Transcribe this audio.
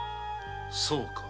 そうか。